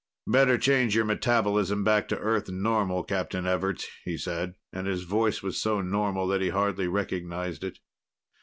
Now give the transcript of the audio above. "Better change your metabolism back to Earth normal, Captain Everts," he said, and his voice was so normal that he hardly recognized it.